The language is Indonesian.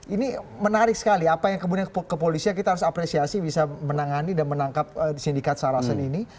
ini menarik sekali apa yang kemudian kepolisian kita harus apresiasi bisa menangani dan menangkap sindikat sarasen ini